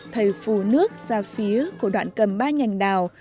thầy phù nước ra phía của đoạn cầm ba nhành đào